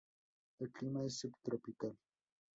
El clima es subtropical.